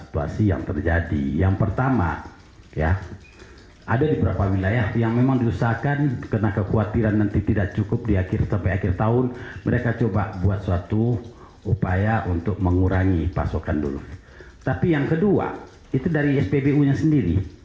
tapi yang pertama itu dari spbu nya sendiri